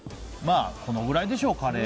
このくらいでしょう、カレー。